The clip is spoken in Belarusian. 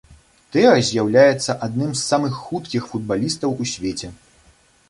Тэа з'яўляецца адным з самых хуткіх футбалістаў у свеце.